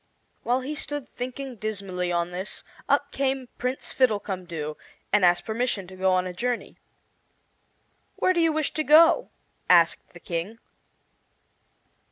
While he stood thinking dismally on this, up came Prince Fiddlecumdoo and asked permission to go on a journey. "Where do you wish to go?" asked the King.